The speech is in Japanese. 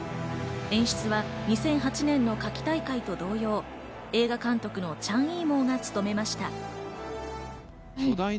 演出は２００８年の夏季大会と同様、映画監督のチャン・イーモウが務めました。